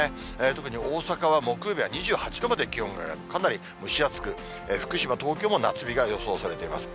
特に大阪は木曜日は２８度まで気温が上がる、かなり蒸し暑く、福島、東京も夏日が予想されています。